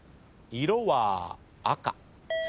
色は赤。